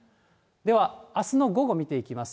ではあすの午後見ていきます。